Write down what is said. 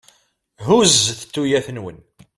Huzzet tuyat-nwen.